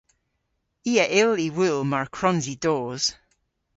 I a yll y wul mar kwrons i dos.